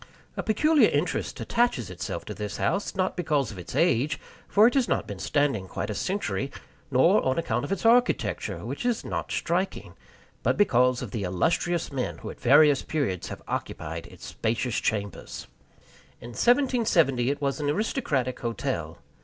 A peculiar interest attaches itself to this house, not because of its age, for it has not been standing quite a century; nor on account of its architecture, which is not striking but because of the illustrious men who at various periods have occupied its spacious chambers. In 1770 it was an aristocratic hotel.